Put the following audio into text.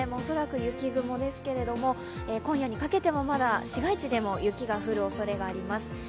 恐らく雪雲ですけど今夜にかけてもまだ市街地でも雪が降るおそれがあります。